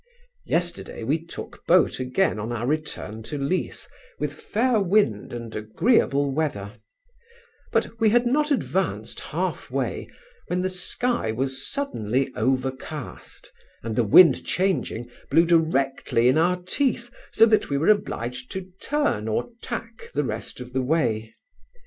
Yesterday we took boat again on our return to Leith, with fair wind and agreeable weather; but we had not advanced half way when the sky was suddenly overcast, and the wind changing, blew directly in our teeth so that we were obliged to turn, or tack the rest of the way.